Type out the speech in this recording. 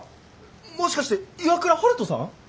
もしかして岩倉悠人さん？